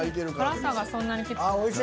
辛さがそんなにきつくない。